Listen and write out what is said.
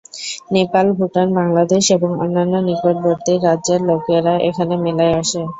নেপাল, ভুটান, বাংলাদেশ এবং অন্যান্য নিকটবর্তী রাজ্যের লোকেরা এখানে মেলায় আসে।